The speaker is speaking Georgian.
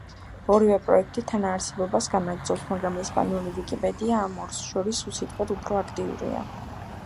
ორივე პროექტი თანაარსებობას განაგრძობს, მაგრამ ესპანური ვიკიპედია ამ ორს შორის უსიტყვოდ უფრო აქტიურია.